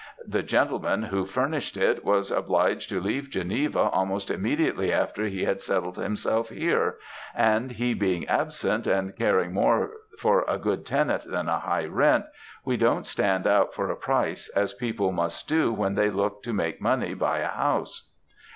'The gentleman who furnished it was obliged to leave Geneva almost immediately after he had settled himself here; and he being absent, and caring more for a good tenant than a high rent, we don't stand out for a price as people must do when they look to make money by a house.'